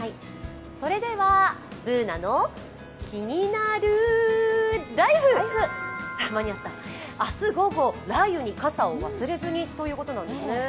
それでは「ＢｏｏｎａのキニナルＬＩＦＥ」明日午後、雷雨に傘を忘れずにということなんですね。